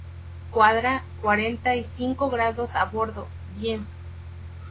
cuadra. cuarenta y cinco grados a babor. bien.